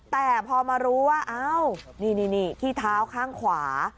แต่พอมารู้ว่าอ้าวนี่ที่เท้าข้างขวา